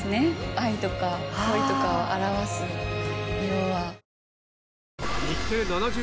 愛とか恋とかを表す色は。